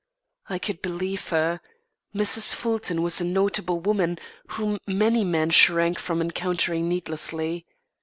I could believe her. Mrs. Fulton was a notable woman, whom many men shrank from encountering needlessly.